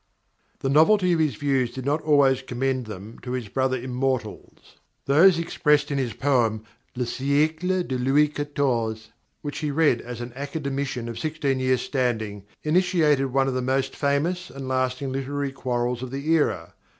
_ _The novelty of his views did not always commend them to his brother 'Immortals.' Those expressed in his poem "Le Siècle de Louis XIV," which he read as an Academician of sixteen years' standing, initiated one of the most famous and lasting literary quarrels of the era.